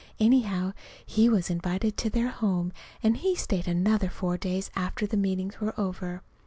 Anyhow, he was invited to their home, and he stayed another four days after the meetings were over.